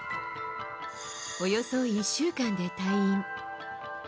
およそ１週間で退院。